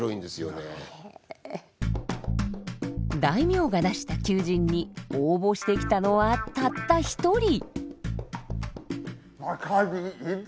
大名が出した求人に応募してきたのはたった一人。